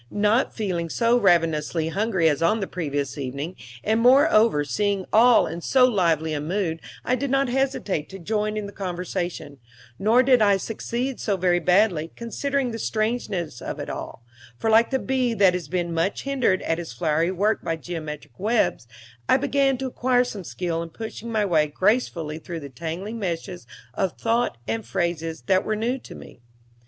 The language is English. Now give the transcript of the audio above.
Not feeling so ravenously hungry as on the previous evening, and, moreover, seeing them all in so lively a mood, I did not hesitate to join in the conversation: nor did I succeed so very badly, considering the strangeness of it all; for like the bee that has been much hindered at his flowery work by geometric webs, I began to acquire some skill in pushing my way gracefully through the tangling meshes of thought and phrases that were new to me.